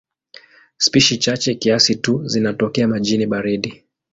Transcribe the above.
Spishi chache kiasi tu zinatokea majini baridi.